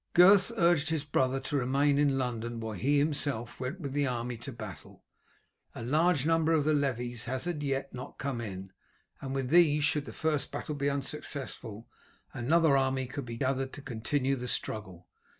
Gurth urged his brother to remain in London, while he himself went with the army to battle. A large number of the levies had as yet not come in, and with these, should the first battle be unsuccessful, another army could be gathered to continue the struggle.